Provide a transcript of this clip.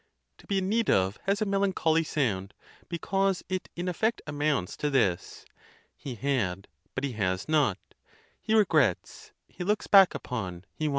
To be in need of has a melancholy sound, because it in effect amounts to this—he had, but he has not; he regrets, he looks back upon, he wants.